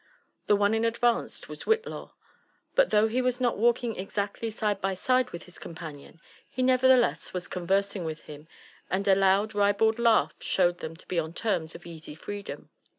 The one in advance was Whitlaw ; but though he was not walking exactly side by side with his companion, he never theless'was conversing with him, and a loud ribald laugh showed them to be on terms of easy freedom.